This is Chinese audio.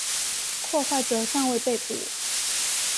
破坏者尚未被捕。